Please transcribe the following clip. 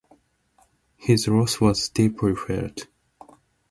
His loss was deeply felt.